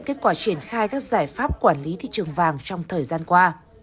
kết quả triển khai các giải pháp quản lý thị trường vàng trong thời gian qua